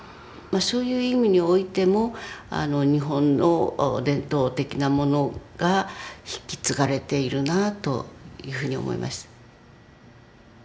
そういう意味においても日本の伝統的なものが引き継がれているなというふうに思います。